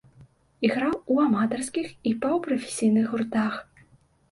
Іграў у аматарскіх і паўпрафесійных гуртах.